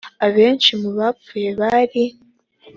abenshi mu bapfuye bari